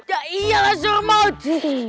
tak iyalah suruh maut